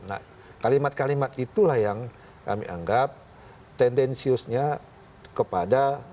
nah kalimat kalimat itulah yang kami anggap tendensiusnya kepada